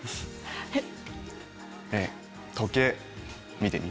えっ？